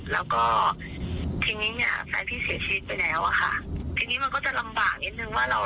แล้วก็ทีนี้เนี่ยแฟนพี่เสียชีวิตไปแล้วอะค่ะทีนี้มันก็จะลำบากนิดนึงว่าเรา